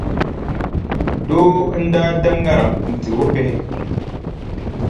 Doo n-daa da ŋariŋ n-ti o bihi.